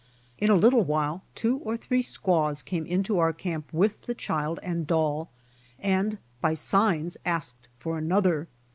In a little while two or three squaws came into our camp with the child and doll, and by signs asked for another.